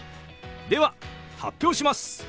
では発表します！